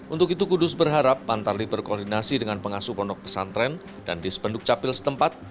untuk itu kudus berharap pantarli berkoordinasi dengan pengasuh pondok pesantren dan dispenduk capil setempat